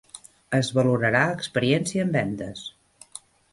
Es valorarà experiència en vendes.